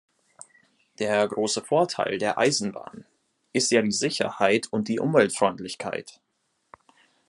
Der große Vorteil der Eisenbahn ist ja die Sicherheit und die Umweltfreundlichkeit.